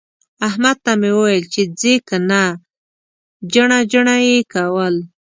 احمد ته مې وويل چې ځې که نه؟ جڼه جڼه يې کول.